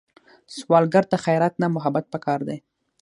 سوالګر ته خیرات نه، محبت پکار دی